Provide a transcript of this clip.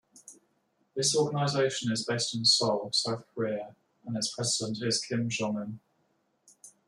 This organization is based in Seoul, South Korea and its president is Kim, Jong-Yun.